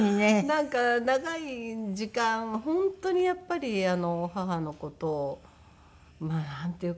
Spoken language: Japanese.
なんか長い時間本当にやっぱり母の事をまあなんていうかな。